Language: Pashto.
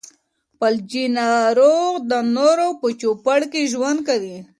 فلجي ناروغ د نورو په چوپړ کې ژوند کوي.